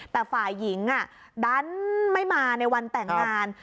แต่ฝ่ายหญิงดันไม่มาในวันแต่งงาน